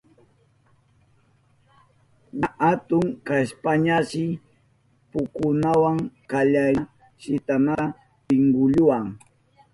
Ña atun kashpañashi pukunawa kallarishkaña shitanata pinkulluwa.